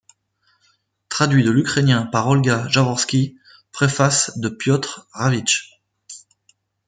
Traduit de l'ukrainien par Olga Jaworskyj, préface de Piotr Rawicz.